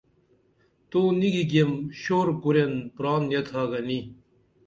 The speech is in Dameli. تو نِی گِگیم شُور کُرین پران ییتھا گنی